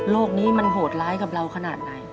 นี้มันโหดร้ายกับเราขนาดไหน